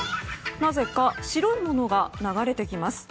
なぜか、白いいものが流れてきます。